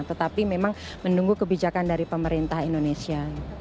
tetapi memang menunggu kebijakan dari pemerintah indonesia